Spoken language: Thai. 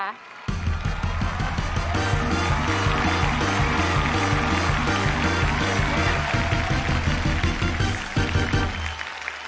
นะครับ